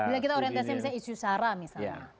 bila kita orientasi misalnya isu sara misalnya